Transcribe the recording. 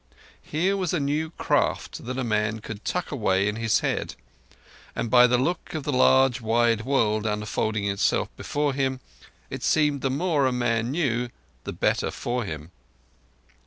Here was a new craft that a man could tuck away in his head and by the look of the large wide world unfolding itself before him, it seemed that the more a man knew the better for him.